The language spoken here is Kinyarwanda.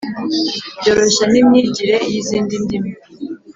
byoroshya n’imyigire y’izindi ndimi.